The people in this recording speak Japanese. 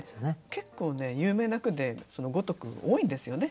結構ね有名な句で「如く」多いんですよね。